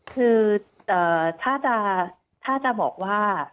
คือถ้าจะบอกว่า